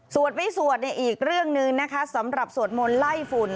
สวดไปสวดอีกเรื่องหนึ่งสำหรับสวดมนต์ไล่ฝุ่น